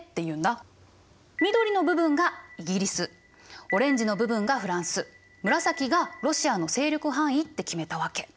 緑の部分がイギリスオレンジの部分がフランス紫がロシアの勢力範囲って決めたわけ。